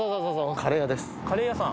カレー屋さん？